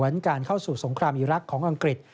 การเข้าสู่สงครามอีรักษ์ของอังกฤษ